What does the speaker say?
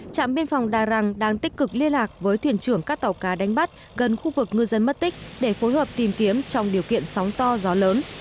trạm biên phòng đà răng đang tích cực liên lạc với thuyền trưởng các tàu cá đánh bắt gần khu vực ngư dân mất tích để phối hợp tìm kiếm trong điều kiện sóng to gió lớn